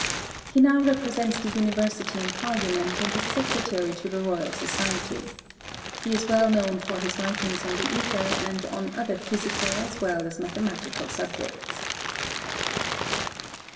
He now represents the University in parliament and is secretary to the Royal Society. He is well known for his writings on the ether and on other physical as well as mathematical subjects.